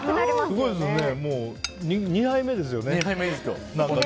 すごいですね、２杯目ですよね。